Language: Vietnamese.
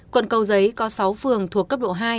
quận cầu giấy có sáu phường thuộc cấp độ hai